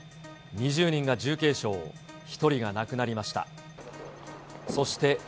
２０人が重軽傷、１人が亡くなりました。